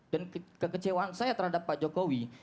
dan kekecewaan saya terhadap pak jokowi